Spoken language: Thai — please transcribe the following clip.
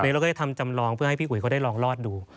เราก็จะทำจำลองเพื่อให้พี่อุ๋ยเขาได้ลองรอดดู